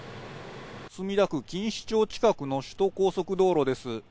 墨田区錦糸町近くの首都高速道路です。